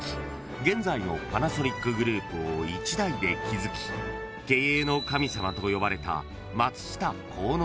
［現在のパナソニックグループを一代で築き経営の神様と呼ばれた］